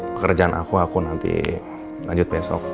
pekerjaan aku aku nanti lanjut besok